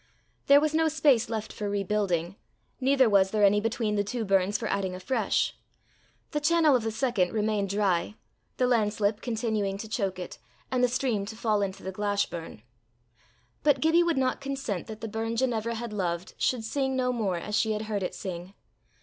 There was no space left for rebuilding, neither was there any between the two burns for adding afresh. The channel of the second remained dry, the landslip continuing to choke it, and the stream to fall into the Glashburn. But Gibbie would not consent that the burn Ginevra had loved should sing no more as she had heard it sing.